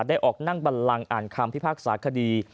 ได้ออกนั่งบันลังอ่านคำพิพากษาคดี